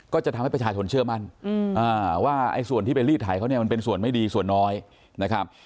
ก็จะทำให้ประชาชนเชื่อมั่นว่าส่วนที่ไปรีดไถเขาเนี่ยมันเป็นส่วนไม่ดีส่วนน้อยนะครับ